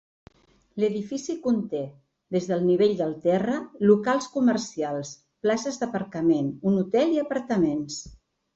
L'edifici conté, des del nivell del terra, locals comercials, places d'aparcament, un hotel i apartaments.